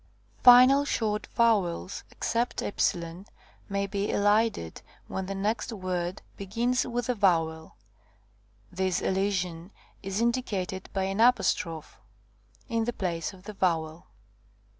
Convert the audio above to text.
4 Final short vowels, except ¥, may be elided, when the next word begins with a vowel. This elision is indicated by an apostrophe in the place of the vowel.